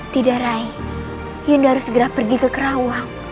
tidak rai yunda harus segera pergi ke kerawang